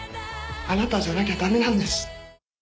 「あなたじゃなきゃ駄目なんです」